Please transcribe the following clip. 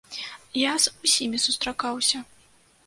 Я з усімі сустракаўся.